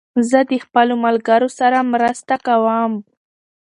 زه د خپلو ملګرو سره مرسته کوم.